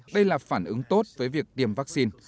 đây là phản ứng tốt với việc tiêm vaccine